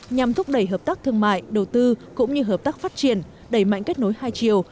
nhằm thúc đẩy hợp tác thương mại đầu tư cũng như hợp tác phát triển đẩy mạnh kết nối hai chiều